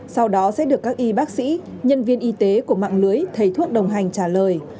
sau đó sẽ được các y bác sĩ nhân viên y tế của mạng lưới thầy thuốc đồng hành trả lời